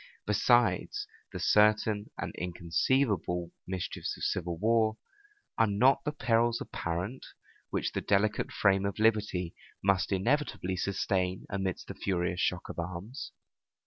Besides the certain and inconceivable mischiefs of civil war, are not the perils apparent, which the delicate frame of liberty must inevitably sustain amidst the furious shock of arms?